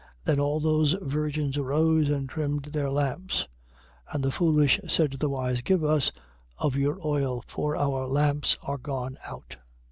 25:7. Then all those virgins arose and trimmed their lamps. 25:8. And the foolish said to the wise: Give us of your oil, for our lamps are gone out.